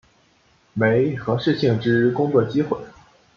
媒合适性之工作机会